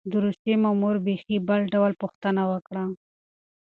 د روسيې مامور بېخي بل ډول پوښتنه وکړه.